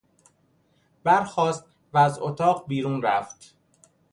برخاست و از اتاق بیرون رفت.